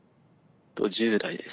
１０代です。